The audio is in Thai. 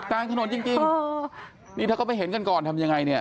กลางถนนจริงนี่ถ้าเขาไปเห็นกันก่อนทำยังไงเนี่ย